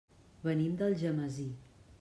Venim d'Algemesí.